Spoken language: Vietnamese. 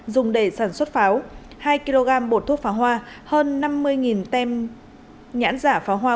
dùng để sản xuất pháo hai kg bột thuốc pháo hoa hơn năm mươi tem nhãn giả pháo hoa